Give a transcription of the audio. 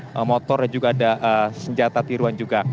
jadi motornya juga ada senjata tiruan juga